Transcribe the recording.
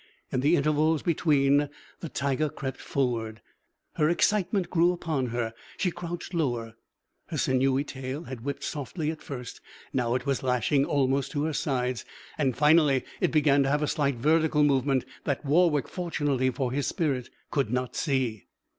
In the intervals between the tiger crept forward. Her excitement grew upon her. She crouched lower. Her sinewy tail had whipped softly at first; now it was lashing almost to her sides. And finally it began to have a slight vertical movement that Warwick, fortunately for his spirit, could not see.